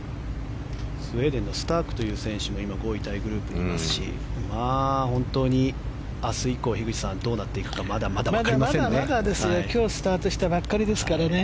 スウェーデンのスタークという選手もいますし本当に明日以降、樋口さんどうなっていくかまだまだですよ今日スタートしたばかりですから。